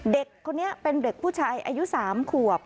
เด็กคนนี้เป็นเด็กผู้ชายอายุ๓ขวบ